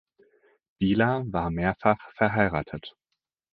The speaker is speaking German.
Bila war mehrfach verheiratet.